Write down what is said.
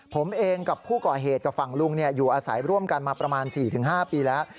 ผมเองกับผู้ก่อเหตุกับฝั่งลุงอยู่อาศัยร่วมกันมาประมาณ๔๕ปีแล้ว